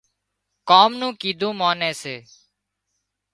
ڪام نون ڪيڌون ماني سي